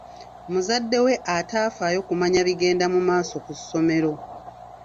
Muzadde we atafaayo kumanya bigenda mu maaso ku ssomero.